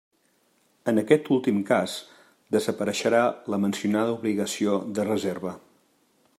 En aquest últim cas desapareixerà la mencionada obligació de reserva.